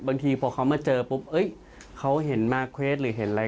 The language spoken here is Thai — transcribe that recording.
บางทีพอเขามาเจอปุ๊บเขาเห็นมาร์เควดหรือเห็นอะไร